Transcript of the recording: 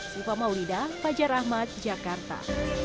siva maulidah pajar rahmat jakarta